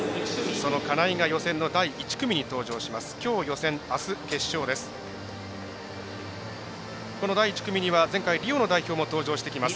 その金井が予選の第１組に登場します。